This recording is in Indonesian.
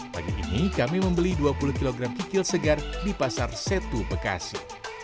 pagi ini kami membeli dua puluh kg kikil segar di pasar setu bekasi